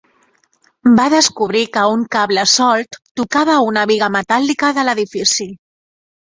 Va descobrir que un cable solt tocava una biga metàl·lica de l'edifici.